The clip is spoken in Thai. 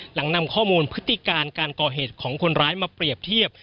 นำข้อมูลพฤติการการก่อเหตุของคนร้ายมาเปรียบเทียบ